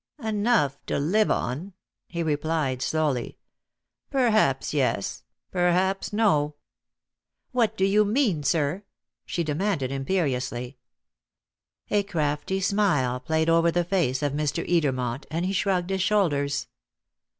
"Enough to live on?" he replied slowly. "Perhaps yes, perhaps no." "What do you mean, sir?" she demanded imperiously. A crafty smile played over the face of Mr. Edermont, and he shrugged his shoulders.